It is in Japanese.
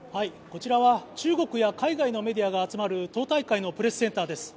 こちらは中国や海外のメディアが集まる党大会のプレスセンターです。